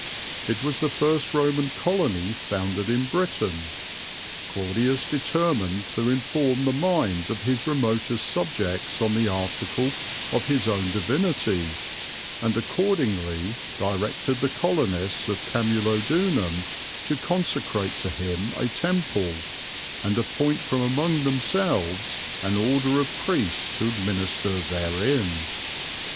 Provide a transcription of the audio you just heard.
It was the first Roman Colony founded in Britain. 'Claudius determined to inform the minds of his remotest subjects on the article of his own divinity and accordingly directed the Colonists of Camulodunum to consecrate to him a temple, and appoint from among themselves an order of priests to minister therein.'"